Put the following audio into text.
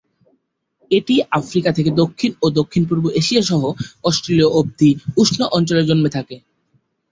এটি আফ্রিকা থেকে দক্ষিণ ও দক্ষিণপূর্ব এশিয়া সহ অস্ট্রেলিয়া অবধি উষ্ণ অঞ্চলে জন্মে থাকে।